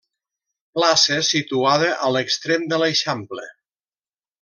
Plaça situada a l'extrem de l'eixample.